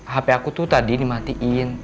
hp aku tuh tadi dimatiin